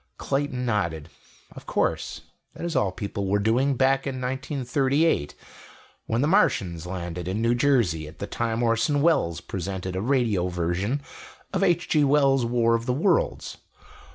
Clayton nodded. "Of course. That is all people were doing back in 1938 when the Martians landed in New Jersey, at the time Orson Welles presented a radio version of H. G. Wells' 'War of the Worlds'.